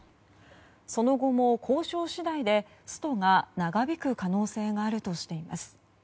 その後も交渉次第でストが長引く可能性があるとしています。